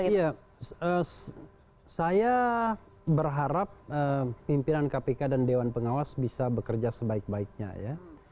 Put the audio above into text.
iya saya berharap pimpinan kpk dan dewan pengawas bisa bekerja sebaik baiknya ya